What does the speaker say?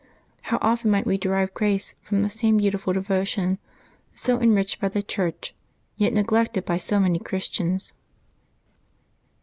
How often might we derive grace from the same beautiful devotion, so enriched by the Church, yet neglected by so many Christians!